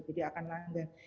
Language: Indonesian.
jadi dia akan langgan